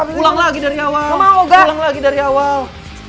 pulang lagi dari awal